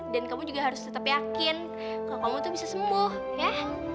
dan kamu juga harus tetap yakin kalau kamu tuh bisa sembuh ya